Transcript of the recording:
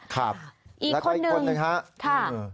ค่ะแล้วก็อีกคนนึงค่ะ